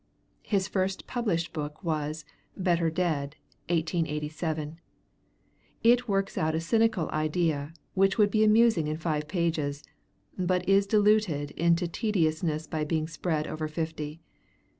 His first published book was 'Better Dead' (1887); it works out a cynical idea which would be amusing in five pages, but is diluted into tediousness by being spread over fifty.